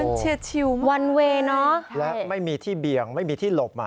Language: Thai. มันเฉียดเฉียวมากเลยครับค่ะมาได้แล้วไม่มีที่เปลี่ยงไม่มีที่หลบ